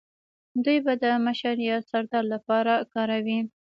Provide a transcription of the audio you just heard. دوی به د مشر یا سردار لپاره کاروی